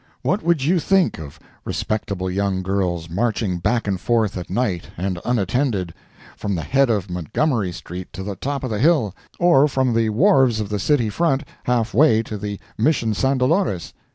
What would you think of respectable young girls marching back and forth at night and unattended, from the head of Montgomery street to the top of the hill, or from the wharves of the city front half way to the Mission San Dolores?